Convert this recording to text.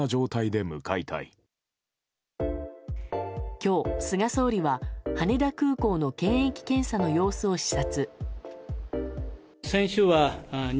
今日、菅総理は羽田空港の検疫検査の様子を視察。